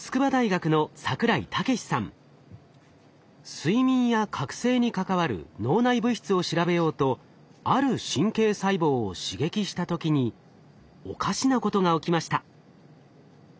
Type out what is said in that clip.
睡眠や覚醒に関わる脳内物質を調べようとある神経細胞を刺激した時におかしなことが起きました。